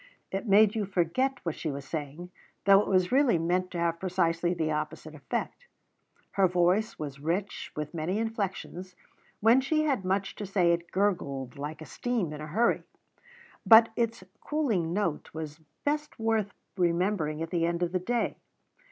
It made you forget what she was saying, though it was really meant to have precisely the opposite effect. Her voice was rich, with many inflections. When she had much to say it gurgled like a stream in a hurry; but its cooing note was best worth remembering at the end of the day.